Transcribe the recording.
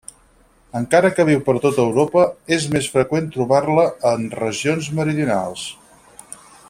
Encara que viu per tota Europa és més freqüent trobar-la en regions meridionals.